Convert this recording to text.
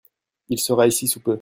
Il sera ici sous peu.